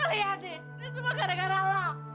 lo lihat deh ini semua gara gara lo